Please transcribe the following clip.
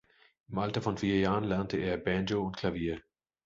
Im Alter von vier Jahren lernte er Banjo und Klavier.